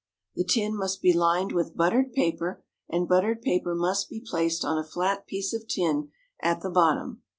The tin must be lined with buttered paper, and buttered paper must be placed on a flat piece of tin at the bottom.